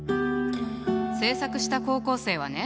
制作した高校生はね